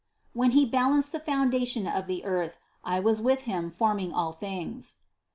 67. "When he balanced the foundation of the earth, I was with him forming all things."